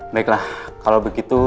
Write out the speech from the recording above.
baiklah kalau begitu